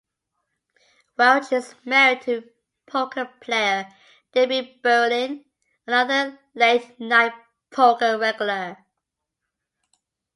Welch is married to poker player Debbie Berlin, another Late Night Poker regular.